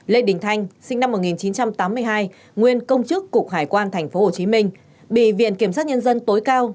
lê đình thanh sinh năm một nghìn chín trăm tám mươi hai nguyên công chức cục hải quan tp hcm bị viện kiểm sát nhân dân tối cao